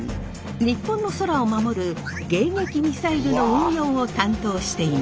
日本の空を守る迎撃ミサイルの運用を担当しています。